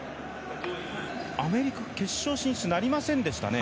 アメリカ決勝進出なりませんでしたね。